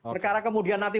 hal ini karena kemudian nanti